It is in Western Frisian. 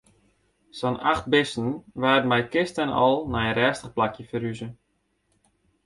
Sa'n acht bisten waarden mei kiste en al nei in rêstich plakje ferhuze.